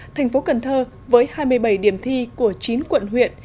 thành phố cần thơ với hai mươi bảy điểm thi của chín quận huyện